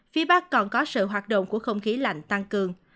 phía bắc còn có sự hoạt động của không khí lạnh tăng cường